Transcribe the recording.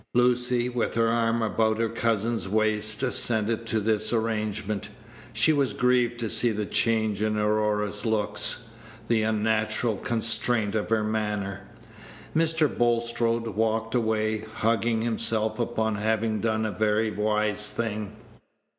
Lucy, with her arm about her cousin's waist, assented to this arrangement. She was grieved to see the change in Aurora's looks, the unnatural constraint of her manner. Mr. Bulstrode walked away, hugging himself upon having done a very wise thing.